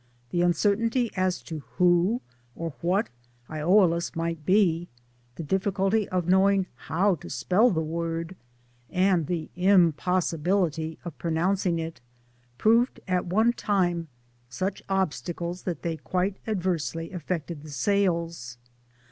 The uncertainty as to who or what lolaus might be, the difficulty of knowing how to speli the word, and the impossibility of pronouncing it, proved at one time such obstacles that they quite adversely affected the sales.